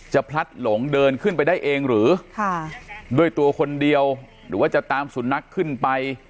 พลัดหลงเดินขึ้นไปได้เองหรือค่ะด้วยตัวคนเดียวหรือว่าจะตามสุนัขขึ้นไป